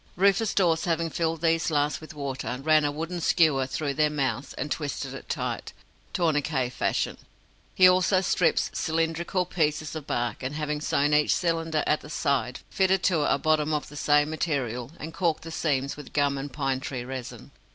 Rufus Dawes, having filled these last with water, ran a wooden skewer through their mouths, and twisted it tight, tourniquet fashion. He also stripped cylindrical pieces of bark, and having sewn each cylinder at the side, fitted to it a bottom of the same material, and caulked the seams with gum and pine tree resin.